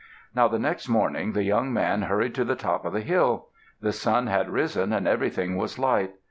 Now the next morning, the young man hurried to the top of the hill. The sun had risen and everything was light.